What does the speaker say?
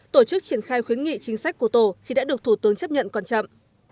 tổ chức triển khai khuyến nghị chính sách của tổ khi đã được thủ tướng chấp nhận còn chậm